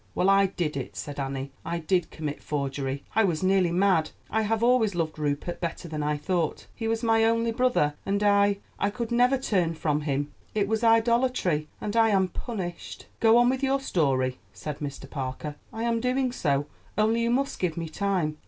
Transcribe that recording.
"Well, I did it," said Annie; "I did commit forgery. I was nearly mad. I have always loved Rupert better than I ought. He was my only brother, and I—I could never turn from him. It was idolatry, and I am punished." "Go on with your story," said Mr. Parker. "I am doing so; only you must give me time.